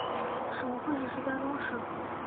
省会是石家庄市。